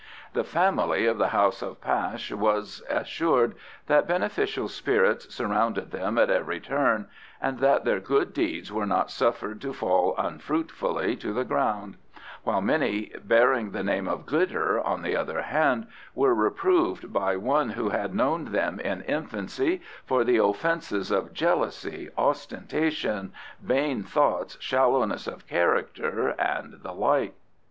The family of the House of Pash was assured that beneficent spirits surrounded them at every turn, and that their good deeds were not suffered to fall unfruitfully to the ground; while many bearing the name of Glidder, on the other hand, were reproved by one who had known them in infancy for the offences of jealousy, ostentation, vain thoughts, shallowness of character, and the like.